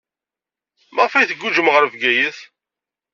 Maɣef ay tguǧǧem ɣer Bgayet?